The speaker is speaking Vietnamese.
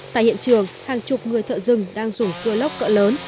tại hiện trường hàng chục người thợ rừng đang dùng cưa lốc cỡ lớn